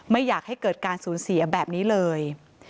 ไม่อยากให้เกิดการสูญเสียแบบนี้เลย